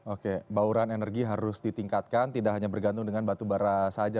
oke bauran energi harus ditingkatkan tidak hanya bergantung dengan batu bara saja